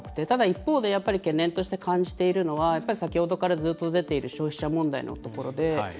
ただ、一方で、やっぱり懸念として感じているのは先ほどからずっと出ている消費者問題のところで。